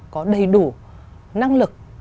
có đầy đủ năng lực